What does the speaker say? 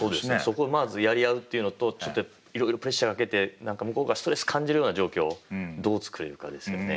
そこまずやり合うっていうのとちょっといろいろプレッシャーかけて向こうがストレス感じるような状況をどう作れるかですよね。